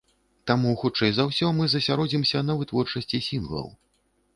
Таму хутчэй за ўсё мы засяродзімся на вытворчасці сінглаў.